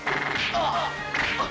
ああ！